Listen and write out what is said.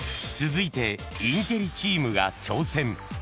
［続いてインテリチームが挑戦］